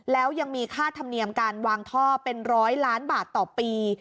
แล้วยังมีค่าธรรมเนียมการวางท่อเป็นร้อยล้านบาทต่อปี